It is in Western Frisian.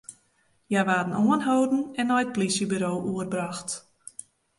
Hja waarden oanholden en nei it polysjeburo oerbrocht.